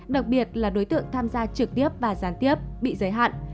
đặc biệt là đối tượng tham gia trực tiếp và gián tiếp bị giới hạn